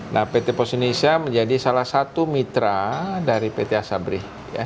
nah pt pos indonesia menjadi salah satu mitra dari pt asabri